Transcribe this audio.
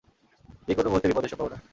যে কোন মুহূর্তে বিপদের সম্ভাবনা।